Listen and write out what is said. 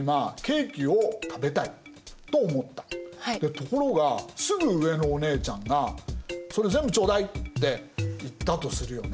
ところがすぐ上のお姉ちゃんが「それ全部頂戴！」って言ったとするよね。